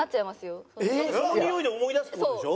そのにおいで思い出すって事でしょ？